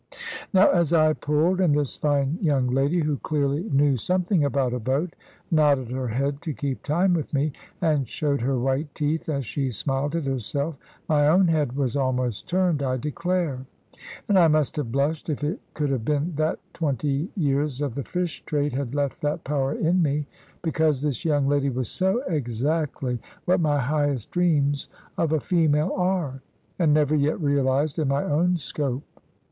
Now as I pulled, and this fine young lady, who clearly knew something about a boat, nodded her head to keep time with me, and showed her white teeth as she smiled at herself, my own head was almost turned, I declare; and I must have blushed, if it could have been that twenty years of the fish trade had left that power in me. Because this young lady was so exactly what my highest dreams of a female are, and never yet realised in my own scope.